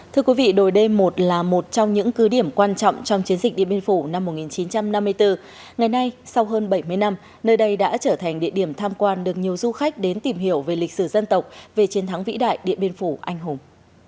thưa quý vị đồi đêm một là một trong những cứ điểm quan trọng trong chiến dịch điện biên phủ năm một nghìn chín trăm năm mươi bốn ngày nay sau hơn bảy mươi năm nơi đây đã trở thành địa điểm tham quan được nhiều du khách đến tìm hiểu về lịch sử dân tộc về chiến thắng vĩ đại điện biên phủ anh hùng